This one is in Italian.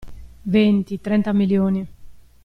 Venti, trenta milioni.